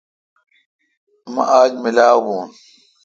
مہ آج میلہ وا بون۔